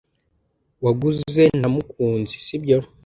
Waguze na mukunzi sibyo?